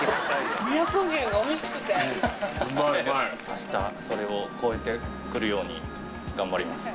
明日それを超えてくるように頑張ります。